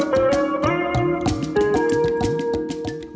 sup kelelawar mengandung santan sehingga kaldunya tidak bening